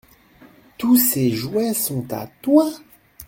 Tous ces jouets sont à toi ?